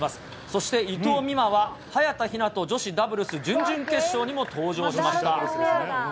そして伊藤美誠は、早田ひなと女子ダブルス準々決勝にも登場しました。